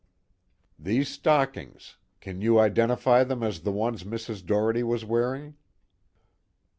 "These stockings: can you identify them as the ones Mrs. Doherty was wearing?"